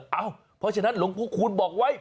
เพราะฉะนั้นหลวงพระคูณบอกไว้